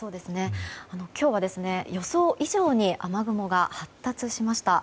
今日は予想以上に雨雲が発達しました。